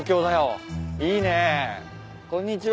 はいこんにちは。